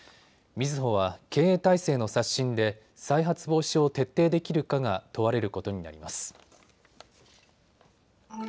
みずほは経営体制の刷新で再発防止を徹底できるかが問われることになります。